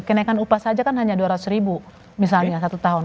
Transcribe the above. kenaikan upah saja kan hanya dua ratus ribu misalnya satu tahun